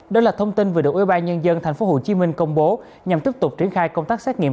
đây là thông tin vừa được ubnd tp hcm công bố nhằm tiếp tục triển khai công tác xét nghiệm